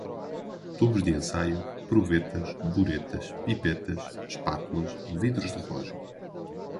tubos de ensaio, provetas, buretas, pipetas, espátulas, vidros de relógio